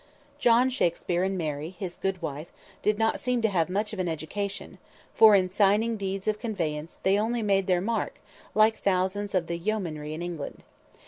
John Shakspere and Mary, his good wife, did not seem to have much of an education, for in signing deeds of conveyance, they only made their mark like thousands of the yeomanry of England.